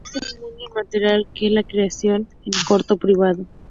ese mundo inmaterial que es la creación, es un coto privado